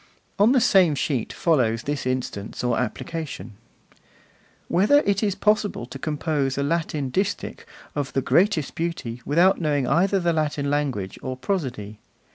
On the same sheet follows this instance or application: Whether it is possible to compose a Latin distich of the greatest beauty without knowing either the Latin language or prosody.